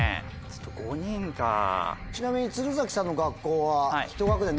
ちなみに。